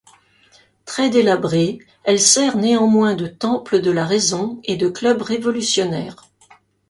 Très délabrée, elle sert néanmoins de Temple de la Raison et de Club révolutionnaire.